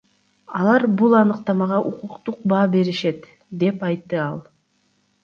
Алар бул аныктамага укуктук баа беришет, — деп айтты ал.